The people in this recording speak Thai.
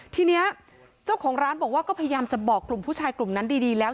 ทีนี้เจ้าของร้านบอกว่าก็พยายามจะบอกกลุ่มผู้ชายกลุ่มนั้นดีแล้ว